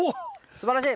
すばらしい！